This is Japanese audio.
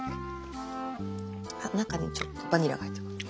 あ中にちょっとバニラが入ってます。